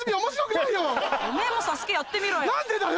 てめぇもＳＡＳＵＫＥやってみろよ。